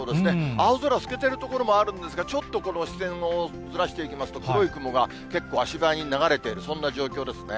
青空透けてる所もあるんですが、ちょっとこの視線をずらしていきますと、黒い雲が結構足早に流れている、状況ですね。